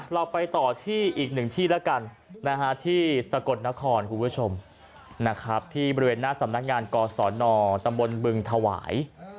เราไปต่อที่อีกหนึ่งที่แล้วกันที่สะกดนครคุณผู้ชมนะครับที่บริเวณหน้าสำนักงานกศนตำบลบึงถวาย